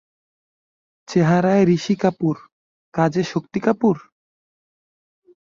চেহারায় রিশি কাপুর, কাজে শক্তি কাপুর?